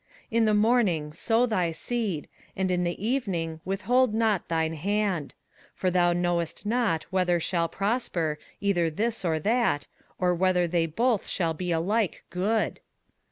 21:011:006 In the morning sow thy seed, and in the evening withhold not thine hand: for thou knowest not whether shall prosper, either this or that, or whether they both shall be alike good.